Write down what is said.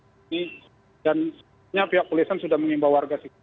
dan sebenarnya pihak kulisan sudah menimba warga kita